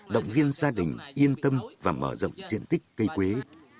động viên gia đình yên tâm và mở rộng diện tích cây quế